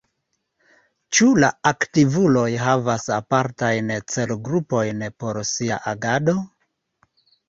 Ĉu la aktivuloj havas apartajn celgrupojn por sia agado?